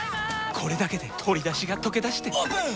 これだけで鶏だしがとけだしてオープン！